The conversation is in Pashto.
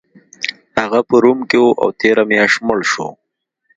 هغه په روم کې و او تیره میاشت مړ شو